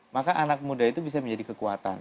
maka anak muda itu bisa menjadi kekuatan